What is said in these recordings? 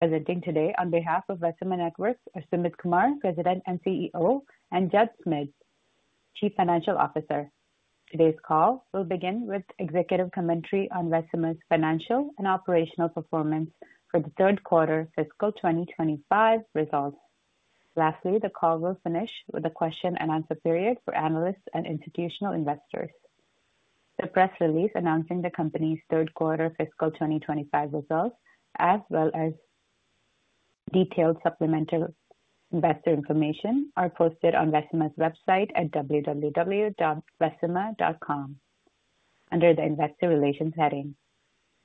Presenting today on behalf of Vecima Networks, I'm Judd Schmid, Sumit Kumar President and CEO, and Judd Schmid, Chief Financial Officer. Today's call will begin with executive commentary on Vecima's financial and operational performance for the Third Quarter Fiscal 2025 Results. Lastly, the call will finish with a question-and-answer period for analysts and institutional investors. The press release announcing the company's Third Quarter Fiscal 2025 Results, as well as detailed supplemental investor information, are posted on Vecima's website at www.vecima.com under the Investor Relations heading.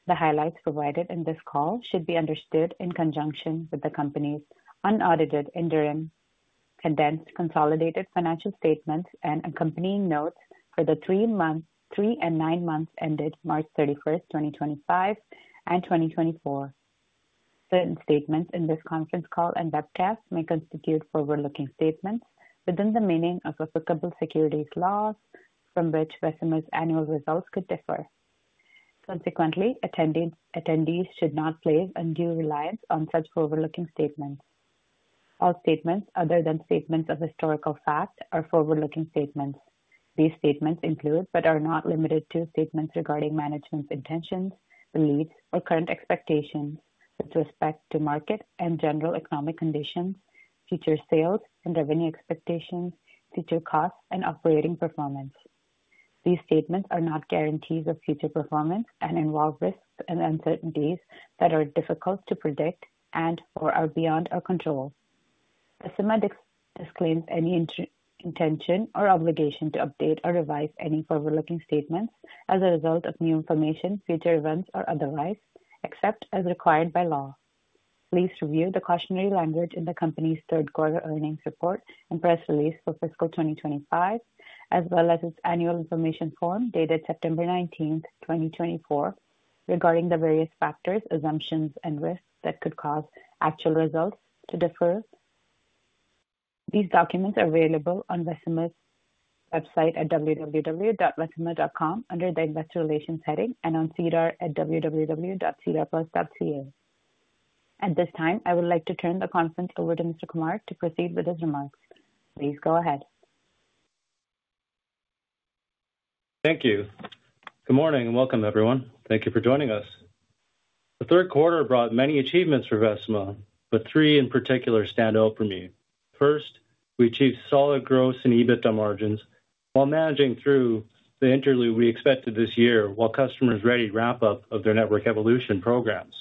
The highlights provided in this call should be understood in conjunction with the company's unaudited, indirect, condensed, consolidated financial statements and accompanying notes for the three and nine months ended March 31, 2025 and 2024. Certain statements in this conference call and webcast may constitute forward-looking statements within the meaning of applicable securities laws, from which Vecima's annual results could differ. Consequently, attendees should not place undue reliance on such forward-looking statements. All statements other than statements of historical fact are forward-looking statements. These statements include, but are not limited to, statements regarding management's intentions, beliefs, or current expectations with respect to market and general economic conditions, future sales and revenue expectations, future costs, and operating performance. These statements are not guarantees of future performance and involve risks and uncertainties that are difficult to predict and/or are beyond our control. Vecima disclaims any intention or obligation to update or revise any forward-looking statements as a result of new information, future events, or otherwise, except as required by law. Please review the cautionary language in the company's third quarter earnings report and press release for fiscal 2025, as well as its annual information form dated September 19th, 2024, regarding the various factors, assumptions, and risks that could cause actual results to differ. These documents are available on Vecima's website at www.vecima.com under the Investor Relations heading and on SEDAR at www.sedar.com. At this time, I would like to turn the conference over to Mr. Kumar to proceed with his remarks. Please go ahead. Thank you. Good morning and welcome, everyone. Thank you for joining us. The third quarter brought many achievements for Vecima, but three in particular stand out for me. First, we achieved solid growth in EBITDA margins while managing through the interlude we expected this year while customers ready to wrap up their network evolution programs.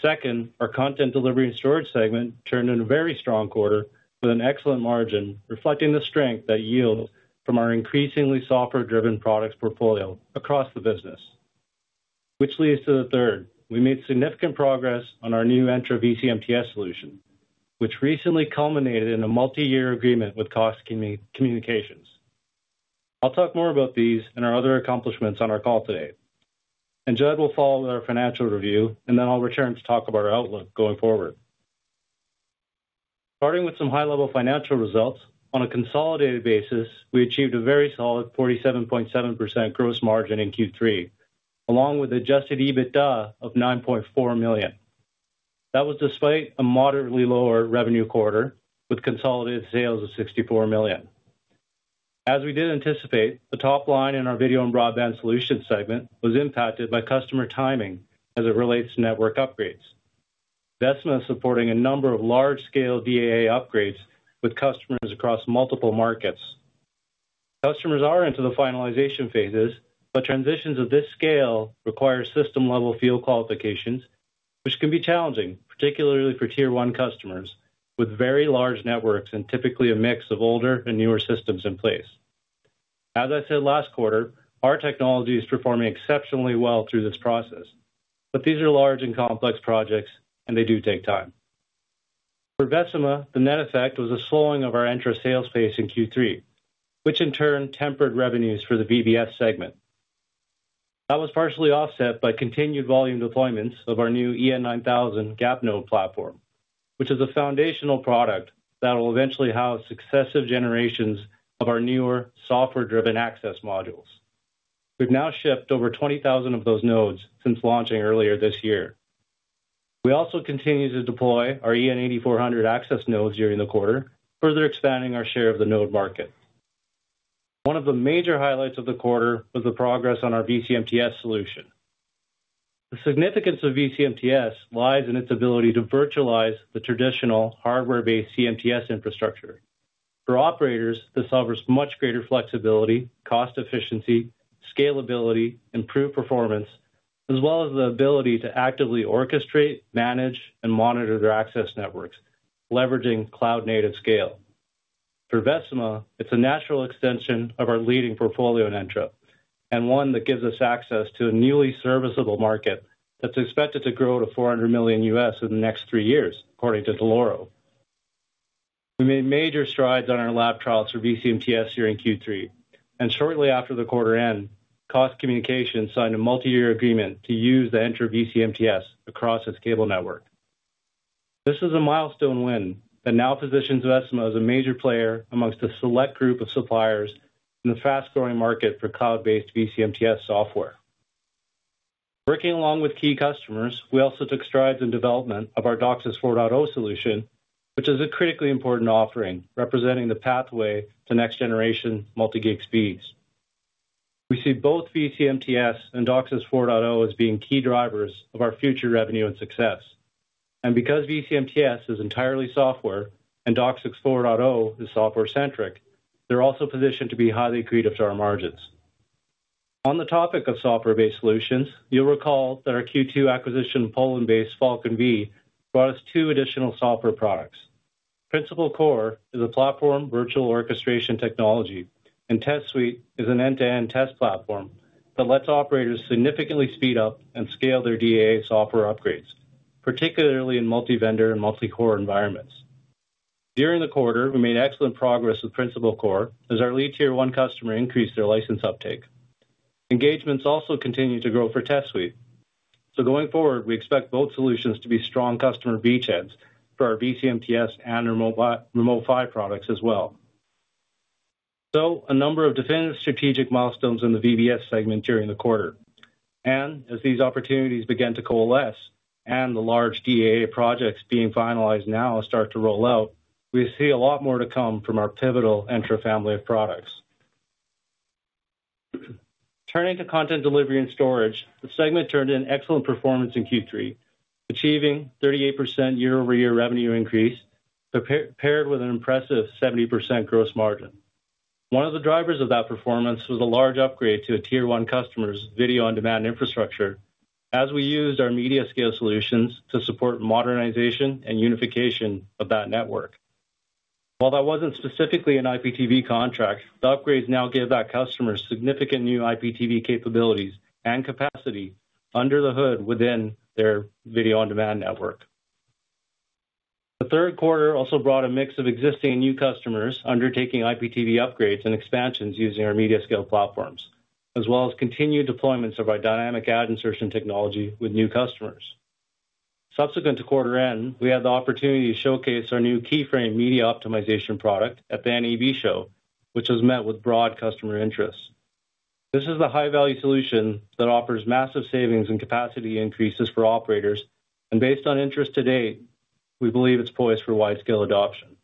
Second, our content delivery and storage segment turned in a very strong quarter with an excellent margin, reflecting the strength that yields from our increasingly software-driven products portfolio across the business. Which leads to the third. We made significant progress on our new entry VCMTS solution, which recently culminated in a multi-year agreement with Cox Communications. I'll talk more about these and our other accomplishments on our call today. Judd will follow with our financial review, and then I'll return to talk about our outlook going forward. Starting with some high-level financial results, on a consolidated basis, we achieved a very solid 47.7% gross margin in Q3, along with adjusted EBITDA of 9.4 million. That was despite a moderately lower revenue quarter with consolidated sales of 64 million. As we did anticipate, the top line in our video and broadband solution segment was impacted by customer timing as it relates to network upgrades. Vecima is supporting a number of large-scale DAA upgrades with customers across multiple markets. Customers are into the finalization phases, but transitions of this scale require system-level field qualifications, which can be challenging, particularly for tier-one customers with very large networks and typically a mix of older and newer systems in place. As I said last quarter, our technology is performing exceptionally well through this process, but these are large and complex projects, and they do take time. For Vecima, the net effect was a slowing of our entry sales pace in Q3, which in turn tempered revenues for the VBS segment. That was partially offset by continued volume deployments of our new EN9000 Gap Node platform, which is a foundational product that will eventually house successive generations of our newer software-driven access modules. We've now shipped over 20,000 of those nodes since launching earlier this year. We also continue to deploy our EN8400 access nodes during the quarter, further expanding our share of the node market. One of the major highlights of the quarter was the progress on our VCMTS solution. The significance of VCMTS lies in its ability to virtualize the traditional hardware-based CMTS infrastructure. For operators, this offers much greater flexibility, cost efficiency, scalability, improved performance, as well as the ability to actively orchestrate, manage, and monitor their access networks, leveraging cloud-native scale. For Vecima, it's a natural extension of our leading portfolio in ENTROP, and one that gives us access to a newly serviceable market that's expected to grow to 400 million in the next three years, according to Dell'Oro. We made major strides on our lab trials for VCMTS during Q3, and shortly after the quarter end, Cox Communications signed a multi-year agreement to use the ENTROP VCMTS across its cable network. This is a milestone win that now positions Vecima as a major player amongst a select group of suppliers in the fast-growing market for cloud-based VCMTS software. Working along with key customers, we also took strides in development of our DOCSIS 4.0 solution, which is a critically important offering representing the pathway to next-generation multi-gig speeds. We see both VCMTS and DOCSIS 4.0 as being key drivers of our future revenue and success. Because VCMTS is entirely software and DOCSIS 4.0 is software-centric, they're also positioned to be highly creative to our margins. On the topic of software-based solutions, you'll recall that our Q2 acquisition, Poland-based Falcon Solutions, brought us two additional software products. Principal Core is a platform virtual orchestration technology, and Test Suite is an end-to-end test platform that lets operators significantly speed up and scale their DAA software upgrades, particularly in multi-vendor and multi-core environments. During the quarter, we made excellent progress with Principal Core as our lead tier-one customer increased their license uptake. Engagements also continue to grow for Test Suite. Going forward, we expect both solutions to be strong customer beachheads for our VCMTS and our Remote PHY products as well. A number of definitive strategic milestones in the VBS segment occurred during the quarter. As these opportunities begin to coalesce and the large DAA projects being finalized now start to roll out, we see a lot more to come from our pivotal ENTROP family of products. Turning to content delivery and storage, the segment turned in excellent performance in Q3, achieving 38% year-over-year revenue increase paired with an impressive 70% gross margin. One of the drivers of that performance was a large upgrade to a tier-one customer's video on-demand infrastructure as we used our Media Scale solutions to support modernization and unification of that network. While that was not specifically an IPTV contract, the upgrades now give that customer significant new IPTV capabilities and capacity under the hood within their video on-demand network. The third quarter also brought a mix of existing and new customers undertaking IPTV upgrades and expansions using our Media Scale platforms, as well as continued deployments of our dynamic ad insertion technology with new customers. Subsequent to quarter end, we had the opportunity to showcase our new keyframe media optimization product at the NEB show, which was met with broad customer interest. This is the high-value solution that offers massive savings and capacity increases for operators, and based on interest to date, we believe it's poised for wide-scale adoption.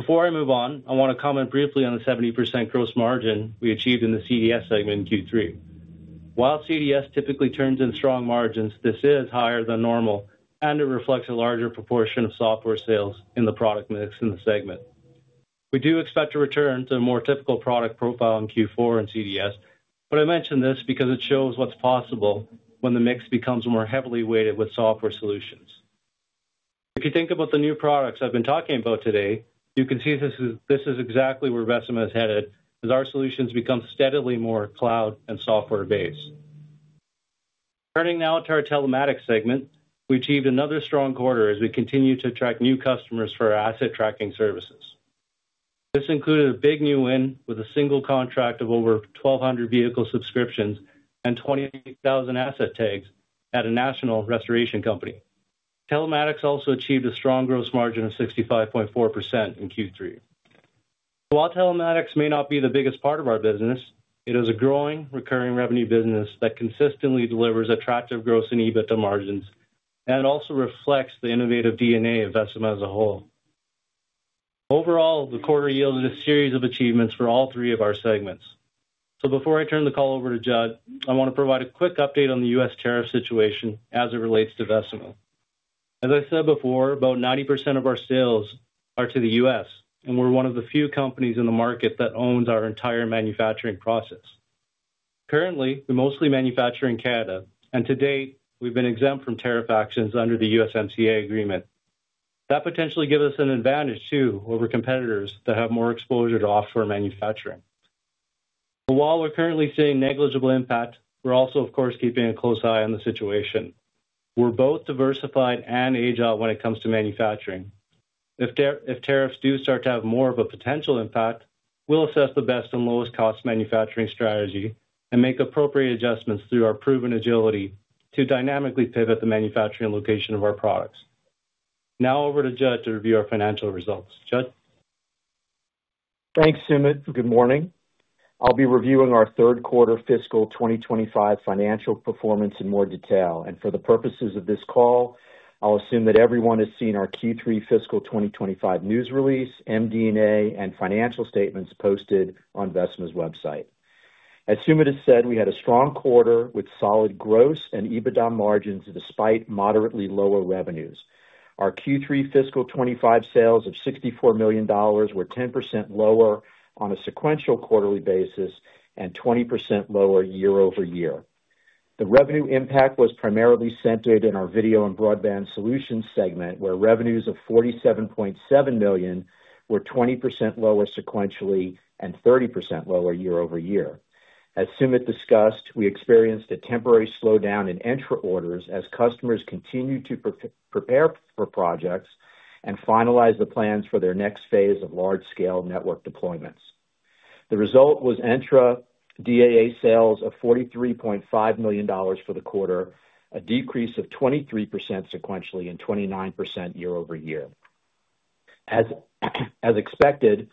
Before I move on, I want to comment briefly on the 70% gross margin we achieved in the CDS segment in Q3. While CDS typically turns in strong margins, this is higher than normal, and it reflects a larger proportion of software sales in the product mix in the segment. We do expect to return to a more typical product profile in Q4 and CDS, but I mention this because it shows what's possible when the mix becomes more heavily weighted with software solutions. If you think about the new products I've been talking about today, you can see this is exactly where Vecima is headed as our solutions become steadily more cloud and software-based. Turning now to our telematics segment, we achieved another strong quarter as we continue to attract new customers for our asset tracking services. This included a big new win with a single contract of over 1,200 vehicle subscriptions and 28,000 asset tags at a national restoration company. Telematics also achieved a strong gross margin of 65.4% in Q3. While telematics may not be the biggest part of our business, it is a growing, recurring revenue business that consistently delivers attractive gross and EBITDA margins and also reflects the innovative DNA of Vecima as a whole. Overall, the quarter yielded a series of achievements for all three of our segments. Before I turn the call over to Judd, I want to provide a quick update on the U.S. tariff situation as it relates to Vecima. As I said before, about 90% of our sales are to the U.S., and we're one of the few companies in the market that owns our entire manufacturing process. Currently, we mostly manufacture in Canada, and to date, we've been exempt from tariff actions under the USMCA agreement. That potentially gives us an advantage too over competitors that have more exposure to offshore manufacturing. While we're currently seeing negligible impact, we're also, of course, keeping a close eye on the situation. We're both diversified and agile when it comes to manufacturing. If tariffs do start to have more of a potential impact, we'll assess the best and lowest-cost manufacturing strategy and make appropriate adjustments through our proven agility to dynamically pivot the manufacturing location of our products. Now over to Judd to review our financial results. Judd? Thanks, Sumit. Good morning. I'll be reviewing our Third Quarter Fiscal 2025 Financial Performance in more detail. For the purposes of this call, I'll assume that everyone has seen our Q3 fiscal 2025 news release, MD&A, and financial statements posted on Vecima's website. As Sumit has said, we had a strong quarter with solid gross and EBITDA margins despite moderately lower revenues. Our Q3 fiscal 2025 sales of 64 million dollars were 10% lower on a sequential quarterly basis and 20% lower year-over-year. The revenue impact was primarily centered in our video and broadband solution segment, where revenues of 47.7 million were 20% lower sequentially and 30% lower year-over-year. As Sumit discussed, we experienced a temporary slowdown in ENTROP orders as customers continued to prepare for projects and finalize the plans for their next phase of large-scale network deployments. The result was ENTROP DAA sales of 43.5 million dollars for the quarter, a decrease of 23% sequentially and 29% year-over-year. As expected,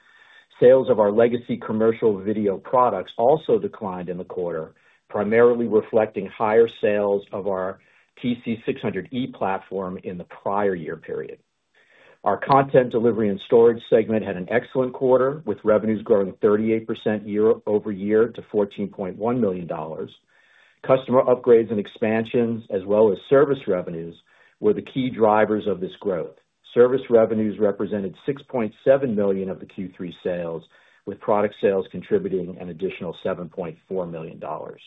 sales of our legacy commercial video products also declined in the quarter, primarily reflecting higher sales of our TC600E platform in the prior year period. Our content delivery and storage segment had an excellent quarter with revenues growing 38% year-over-year to 14.1 million dollars. Customer upgrades and expansions, as well as service revenues, were the key drivers of this growth. Service revenues represented 6.7 million of the Q3 sales, with product sales contributing an additional 7.4 million dollars.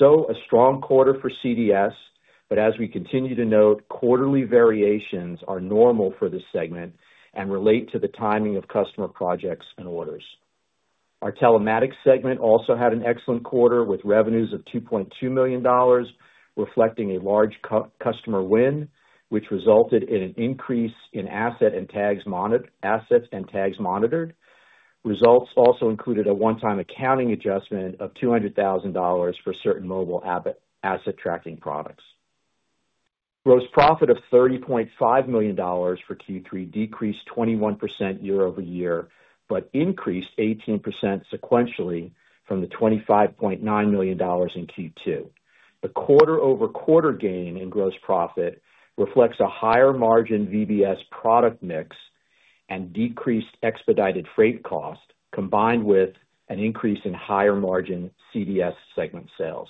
A strong quarter for CDS, but as we continue to note, quarterly variations are normal for this segment and relate to the timing of customer projects and orders. Our telematics segment also had an excellent quarter with revenues of 2.2 million dollars, reflecting a large customer win, which resulted in an increase in assets and tags monitored. Results also included a one-time accounting adjustment of 200,000 dollars for certain mobile asset tracking products. Gross profit of 30.5 million dollars for Q3 decreased 21% year-over-year, but increased 18% sequentially from the 25.9 million dollars in Q2. The quarter-over-quarter gain in gross profit reflects a higher margin VBS product mix and decreased expedited freight cost, combined with an increase in higher margin CDS segment sales.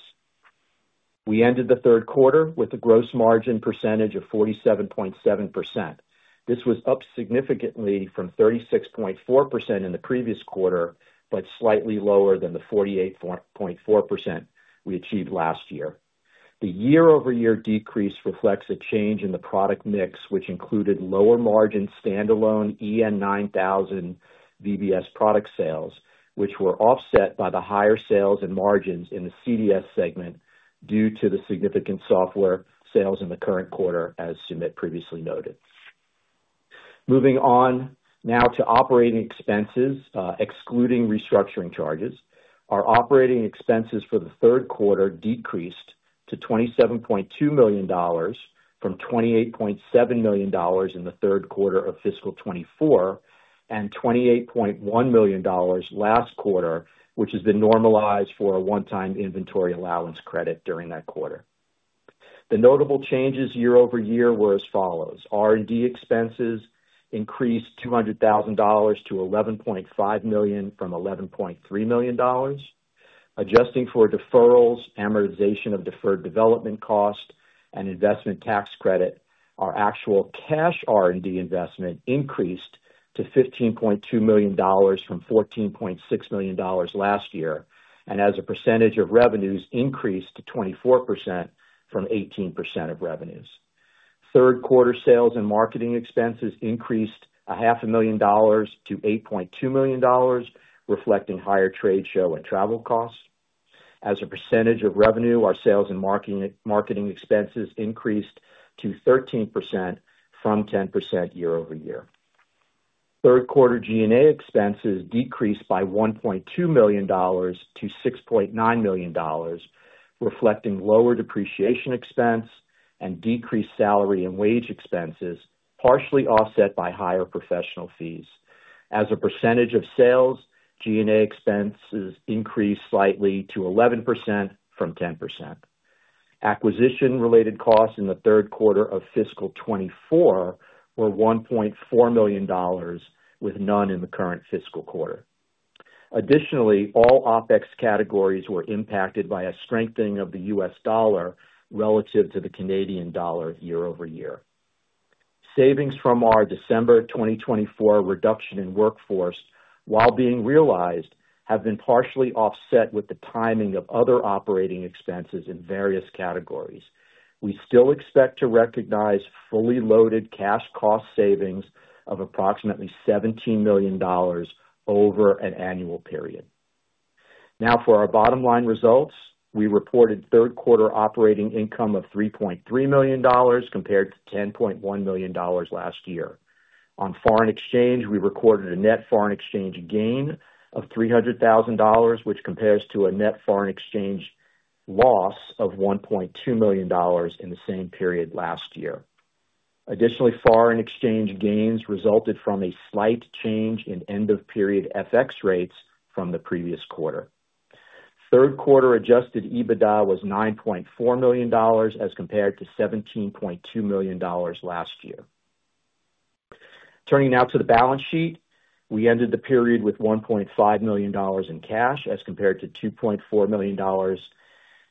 We ended the third quarter with a gross margin percentage of 47.7%. This was up significantly from 36.4% in the previous quarter, but slightly lower than the 48.4% we achieved last year. The year-over-year decrease reflects a change in the product mix, which included lower margin standalone EN9000 VBS product sales, which were offset by the higher sales and margins in the CDS segment due to the significant software sales in the current quarter, as Sumit previously noted. Moving on now to operating expenses, excluding restructuring charges, our operating expenses for the third quarter decreased to 27.2 million dollars from 28.7 million dollars in the third quarter of fiscal 2024 and 28.1 million dollars last quarter, which has been normalized for a one-time inventory allowance credit during that quarter. The notable changes year-over-year were as follows. R&D expenses increased 200,000 dollars to 11.5 million from 11.3 million dollars. Adjusting for deferrals, amortization of deferred development cost, and investment tax credit, our actual cash R&D investment increased to 15.2 million dollars from 14.6 million dollars last year, and as a percentage of revenues increased to 24% from 18% of revenues. Third quarter sales and marketing expenses increased 500,000 dollars to 8.2 million dollars, reflecting higher trade show and travel costs. As a percentage of revenue, our sales and marketing expenses increased to 13% from 10% year-over-year. Third quarter G&A expenses decreased by 1.2 million dollars to 6.9 million dollars, reflecting lower depreciation expense and decreased salary and wage expenses, partially offset by higher professional fees. As a percentage of sales, G&A expenses increased slightly to 11% from 10%. Acquisition-related costs in the third quarter of fiscal 2024 were 1.4 million dollars, with none in the current fiscal quarter. Additionally, all OpEx categories were impacted by a strengthening of the US dollar relative to the Canadian dollar year-over-year. Savings from our December 2024 reduction in workforce, while being realized, have been partially offset with the timing of other operating expenses in various categories. We still expect to recognize fully loaded cash cost savings of approximately 17 million dollars over an annual period. Now, for our bottom line results, we reported third quarter operating income of 3.3 million dollars compared to 10.1 million dollars last year. On foreign exchange, we recorded a net foreign exchange gain of 300,000 dollars, which compares to a net foreign exchange loss of 1.2 million dollars in the same period last year. Additionally, foreign exchange gains resulted from a slight change in end-of-period FX rates from the previous quarter. Third quarter adjusted EBITDA was 9.4 million dollars as compared to 17.2 million dollars last year. Turning now to the balance sheet, we ended the period with 1.5 million dollars in cash as compared to 2.4 million dollars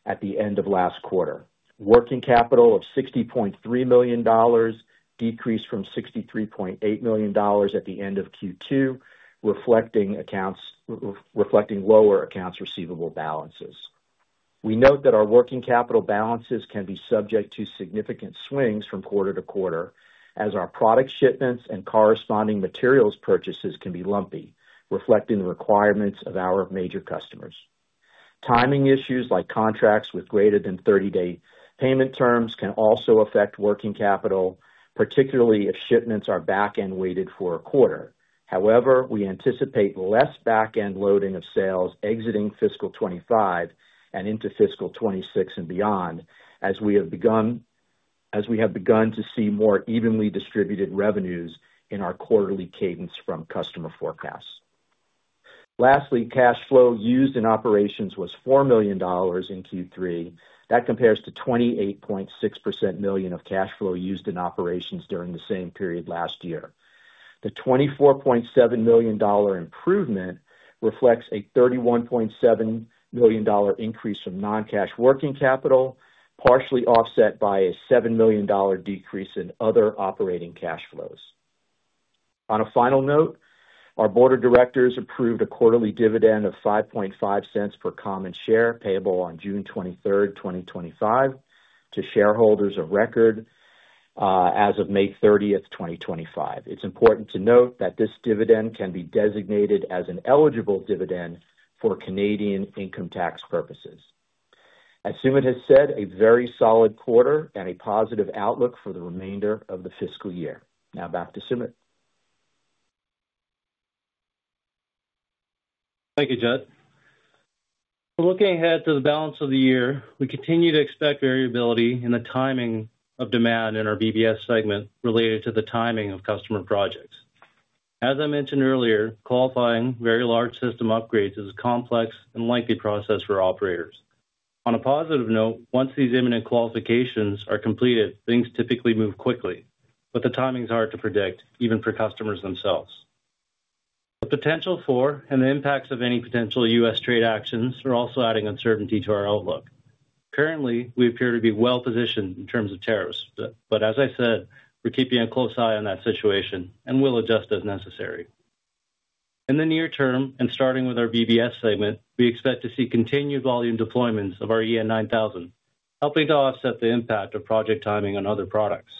at the end of last quarter. Working capital of $60.3million decreased from 63.8 million dollars at the end of Q2, reflecting lower accounts receivable balances. We note that our working capital balances can be subject to significant swings from quarter to quarter as our product shipments and corresponding materials purchases can be lumpy, reflecting the requirements of our major customers. Timing issues like contracts with greater than 30-day payment terms can also affect working capital, particularly if shipments are back-end weighted for a quarter. However, we anticipate less back-end loading of sales exiting fiscal 2025 and into fiscal 2026 and beyond as we have begun to see more evenly distributed revenues in our quarterly cadence from customer forecasts. Lastly, cash flow used in operations was 4 million dollars in Q3. That compares to 28.6 million of cash flow used in operations during the same period last year. The 24.7 million dollar improvement reflects a 31.7 million dollar increase from non-cash working capital, partially offset by a 7 million dollar decrease in other operating cash flows. On a final note, our board of directors approved a quarterly dividend of 0.055 per common share payable on June 23, 2025, to shareholders of record as of May 30, 2025. It's important to note that this dividend can be designated as an eligible dividend for Canadian income tax purposes. As Sumit has said, a very solid quarter and a positive outlook for the remainder of the fiscal year. Now back to Sumit. Thank you, Judd. Looking ahead to the balance of the year, we continue to expect variability in the timing of demand in our VBS segment related to the timing of customer projects. As I mentioned earlier, qualifying very large system upgrades is a complex and lengthy process for operators. On a positive note, once these imminent qualifications are completed, things typically move quickly, but the timing is hard to predict, even for customers themselves. The potential for and the impacts of any potential U.S. trade actions are also adding uncertainty to our outlook. Currently, we appear to be well-positioned in terms of tariffs, but as I said, we're keeping a close eye on that situation and will adjust as necessary. In the near term, and starting with our VBS segment, we expect to see continued volume deployments of our EN9000, helping to offset the impact of project timing on other products.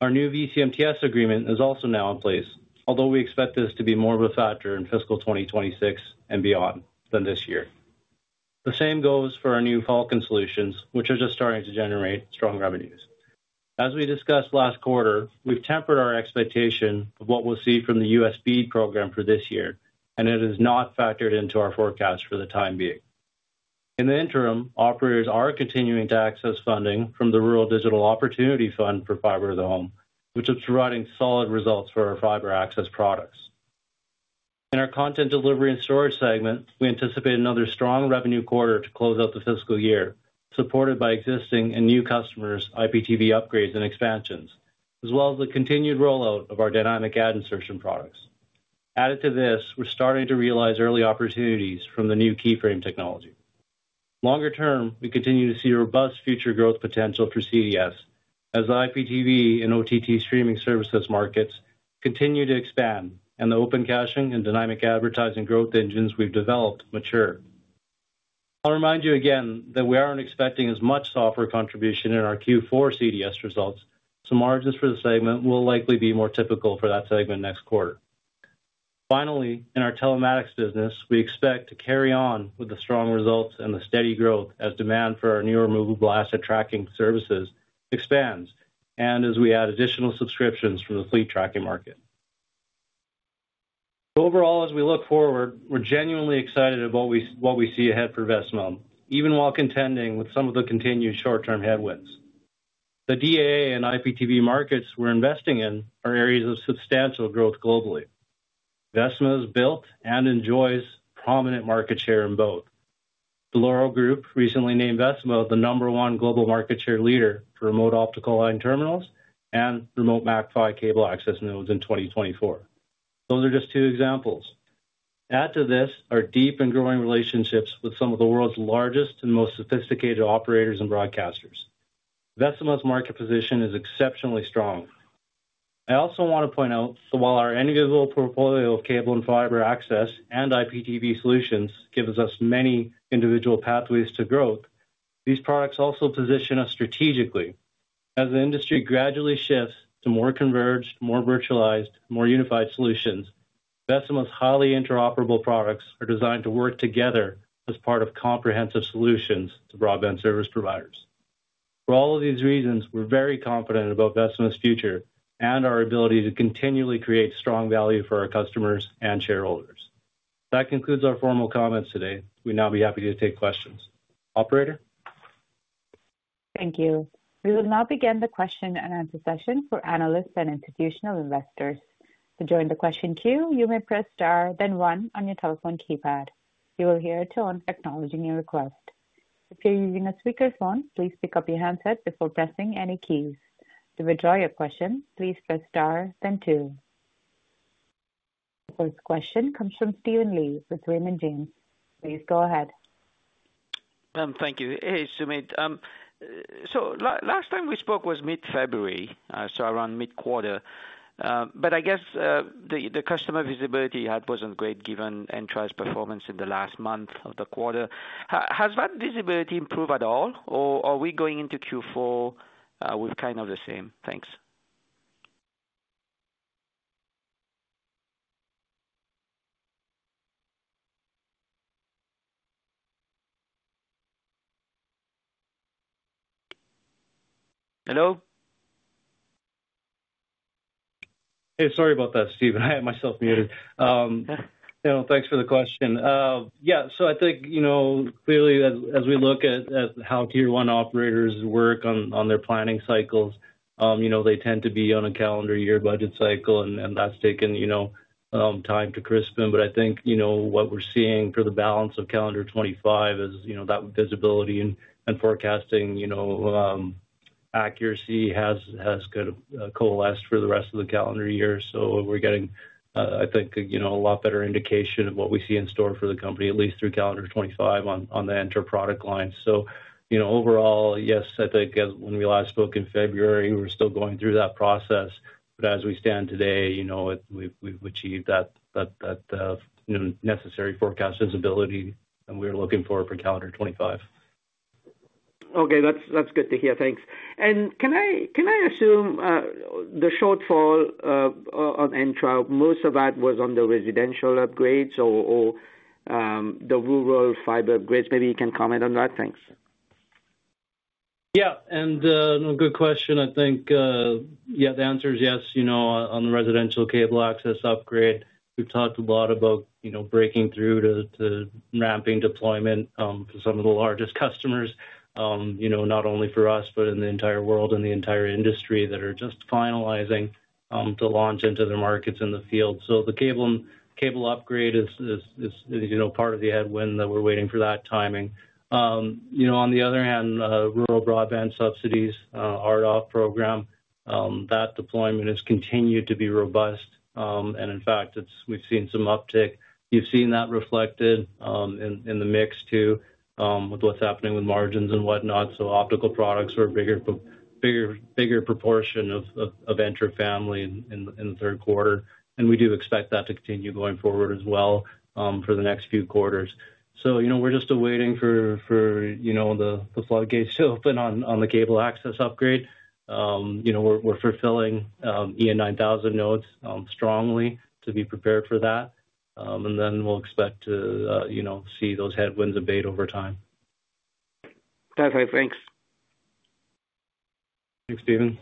Our new VCMTS agreement is also now in place, although we expect this to be more of a factor in fiscal 2026 and beyond than this year. The same goes for our new Falcon Solutions, which are just starting to generate strong revenues. As we discussed last quarter, we've tempered our expectation of what we'll see from the USB program for this year, and it has not factored into our forecast for the time being. In the interim, operators are continuing to access funding from the Rural Digital Opportunity Fund for fiber of the home, which is providing solid results for our fiber access products. In our content delivery and storage segment, we anticipate another strong revenue quarter to close out the fiscal year, supported by existing and new customers' IPTV upgrades and expansions, as well as the continued rollout of our dynamic ad insertion products. Added to this, we're starting to realize early opportunities from the new keyframe technology. Longer term, we continue to see robust future growth potential for CDS as the IPTV and OTT streaming services markets continue to expand and the open caching and dynamic advertising growth engines we've developed mature. I'll remind you again that we aren't expecting as much software contribution in our Q4 CDS results, so margins for the segment will likely be more typical for that segment next quarter. Finally, in our telematics business, we expect to carry on with the strong results and the steady growth as demand for our new removable asset tracking services expands and as we add additional subscriptions from the fleet tracking market. Overall, as we look forward, we're genuinely excited about what we see ahead for Vecima, even while contending with some of the continued short-term headwinds. The DAA and IPTV markets we're investing in are areas of substantial growth globally. Vecima has built and enjoys prominent market share in both. Dell'Oro Group recently named Vecima the number one global market share leader for remote optical line terminals and remote MACPHY cable access nodes in 2024. Those are just two examples. Add to this our deep and growing relationships with some of the world's largest and most sophisticated operators and broadcasters. Vecima's market position is exceptionally strong. I also want to point out that while our invisible portfolio of cable and fiber access and IPTV solutions gives us many individual pathways to growth, these products also position us strategically. As the industry gradually shifts to more converged, more virtualized, more unified solutions, Vecima's highly interoperable products are designed to work together as part of comprehensive solutions to broadband service providers. For all of these reasons, we're very confident about Vecima's future and our ability to continually create strong value for our customers and shareholders. That concludes our formal comments today. We'd now be happy to take questions. Operator? Thank you. We will now begin the question and answer session for analysts and institutional investors. To join the question queue, you may press star, then one on your telephone keypad. You will hear a tone acknowledging your request. If you're using a speakerphone, please pick up your handset before pressing any keys. To withdraw your question, please press star, then two. The first question comes from Steven Lee with Raymond James. Please go ahead. Thank you. Hey, Sumit. Last time we spoke was mid-February, so around mid-quarter. I guess the customer visibility had not been great given ENTROPs performance in the last month of the quarter. Has that visibility improved at all, or are we going into Q4 with kind of the same? Thanks. Hello? Hey, sorry about that, Steven. I had myself muted. Thanks for the question. Yeah, so I think clearly, as we look at how tier one operators work on their planning cycles, they tend to be on a calendar year budget cycle, and that's taken time to crispen. I think what we're seeing for the balance of calendar 2025 is that visibility and forecasting accuracy has coalesced for the rest of the calendar year. We're getting, I think, a lot better indication of what we see in store for the company, at least through calendar 2025 on the ENTROP product line. Overall, yes, I think when we last spoke in February, we were still going through that process. As we stand today, we've achieved that necessary forecast visibility that we were looking for for calendar 2025. Okay, that's good to hear. Thanks. Can I assume the shortfall on ENTROP, most of that was on the residential upgrades or the rural fiber upgrades? Maybe you can comment on that. Thanks. Yeah, and good question. I think, yeah, the answer is yes. On the residential cable access upgrade, we've talked a lot about breaking through to ramping deployment for some of the largest customers, not only for us, but in the entire world and the entire industry that are just finalizing to launch into their markets in the field. The cable upgrade is part of the headwind that we're waiting for that timing. On the other hand, rural broadband subsidies, RDOF program, that deployment has continued to be robust. In fact, we've seen some uptick. You've seen that reflected in the mix too with what's happening with margins and whatnot. Optical products were a bigger proportion of enter family in the third quarter. We do expect that to continue going forward as well for the next few quarters. We're just waiting for the floodgates to open on the cable access upgrade. We're fulfilling EN9000 nodes strongly to be prepared for that. We expect to see those headwinds abate over time. Perfect. Thanks. Thanks, Steven.